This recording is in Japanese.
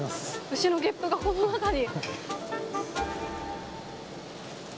牛のゲップがこの中に。